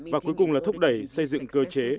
và cuối cùng là thúc đẩy xây dựng cơ chế